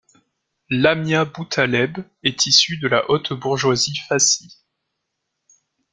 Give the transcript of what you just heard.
Lamia Boutaleb est issue de la haute bourgeoisie fassie.